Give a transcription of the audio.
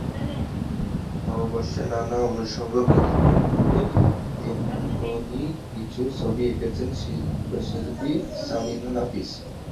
নববর্ষের নানা অনুষঙ্গকে ধারণ করে তেমনই কিছু ছবি এঁকেছেন চিত্রশিল্পী সামিনা নাফিজ।